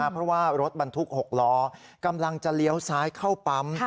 เพราะว่ารถบรรทุก๖ล้อกำลังจะเลี้ยวซ้ายเข้าปั๊ม